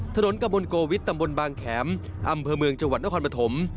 ถนนกระมวลโกวิทตำบลบางแข็มอำเภอเมืองจังหวัดนครปฐม